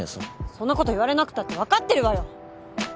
そんなこと言われなくたって分かってるわよ！